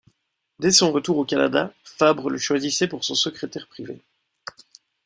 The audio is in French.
Dès son retour au Canada, Fabre le choisissait pour son secrétaire privé.